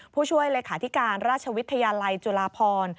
ผู้ช่วยเลขาธิการราชวิทยาลัยจุฬาพร